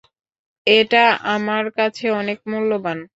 এটা আমার কাছে অনেক মূল্যবান।